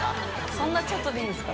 そんなちょっとでいいんですか？